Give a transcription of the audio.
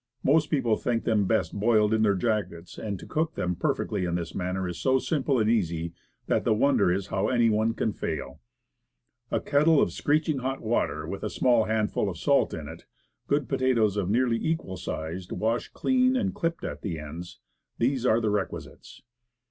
Most people think them best boiled in their jackets, and to cook them perfectly in this manner is so simple and easy, that the wonder is how any one can fail. A kettle of screeching hot water with a small handful of salt in it, good pota toes of nearly equal size, washed clean and clipped at the ends, these are the requisites.